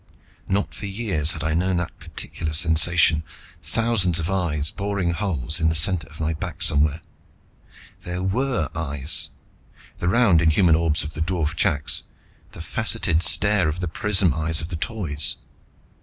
Not for years had I known that particular sensation thousands of eyes, boring holes in the center of my back somewhere. There were eyes; the round inhuman orbs of the dwarf chaks, the faceted stare of the prism eyes of the Toys.